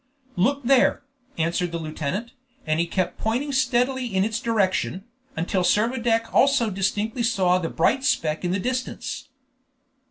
"Look there!" answered the lieutenant, and he kept pointing steadily in its direction, until Servadac also distinctly saw the bright speck in the distance.